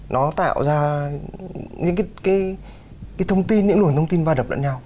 nó tạo ra những cái thông tin những nguồn thông tin va đập lẫn nhau